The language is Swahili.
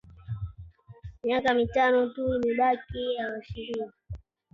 Miaka mitano tu imebaki awachiliwe